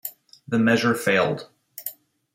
The measure failed.